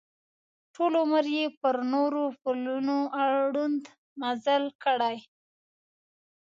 ټول عمر یې پر نورو پلونو ړوند مزل کړی.